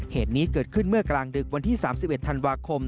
เหตุนี้เกิดขึ้นเมื่อกลางดึกวันที่๓๑ธันวาคม